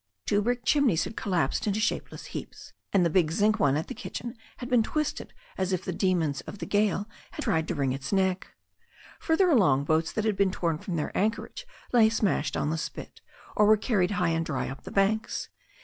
Two brick chim neys had collapsed into shapeless heaps, and the big zinc one at the kitchen had been twisted as if the demons of the gale had tried to wring its neck. Further along, boats that had been torn from their anchorage lay smashed on the spit, or were carried high and dry up the banks.